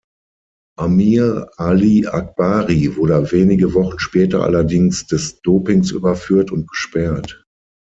Amir Ali-Akbari wurde wenige Wochen später allerdings des Dopings überführt und gesperrt.